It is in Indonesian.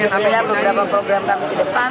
sehingga beberapa program program di depan